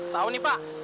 tahu nih pak